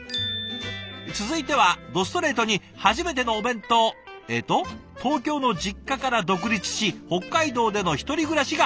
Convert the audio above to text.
続いてはどストレートに「初めてのお弁当」。えっと「東京の実家から独立し北海道での１人暮らしが始まりました」。